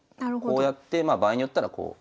こうやってまあ場合によったらこう。